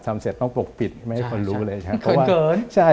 เสร็จต้องปกปิดไม่ให้คนรู้เลยครับ